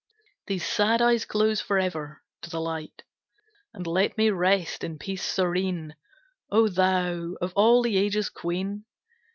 These sad eyes close forever to the light, And let me rest in peace serene, O thou, of all the ages Queen!